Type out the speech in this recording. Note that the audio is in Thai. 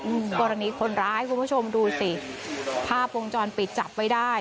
อืมกรณีคนร้ายคุณผู้ชมดูสิภาพวงจรปิดจับไว้ได้